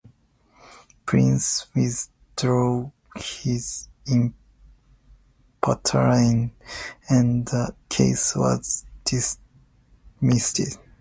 Price withdraw his imputation and the case was dismissed.